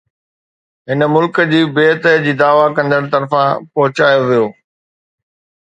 هن ملڪ جي بيعت جي دعوي ڪندڙن طرفان پهچايو ويو